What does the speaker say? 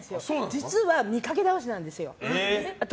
実は、見かけ倒しなんですよ。